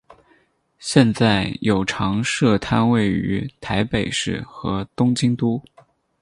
现在有常设摊位于台北市与东京都。